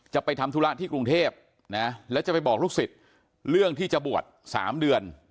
จะไปทำธุระที่กรุงเทพนะแล้วจะไปบอกลูกศิษย์เรื่องที่จะบวช๓เดือน